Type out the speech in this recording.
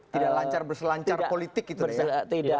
tidak lancar berselancar politik gitu deh ya